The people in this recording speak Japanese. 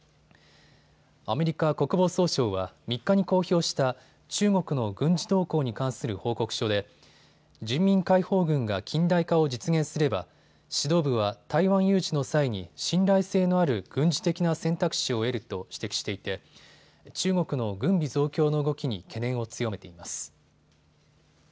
アメリカ国防総省は３日に公表した中国の軍事動向に関する報告書で人民解放軍が近代化を実現すれば指導部は台湾有事の際に信頼性のある軍事的な選択肢を得ると指摘していて中国の軍備増強の動きに懸念を強めています。